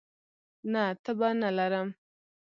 نه، تبه نه لرم